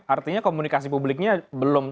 artinya komunikasi publiknya belum